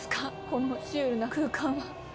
このシュールな空間は。